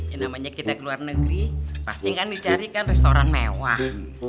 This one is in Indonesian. ya namanya kita ke luar negeri pasti kan dicari kan restoran mewah